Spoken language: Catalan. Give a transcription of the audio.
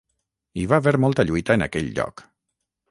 Hi va haver molta lluita en aquell lloc.